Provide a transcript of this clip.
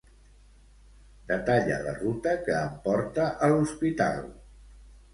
Detalla la ruta que em porta a l'hospital.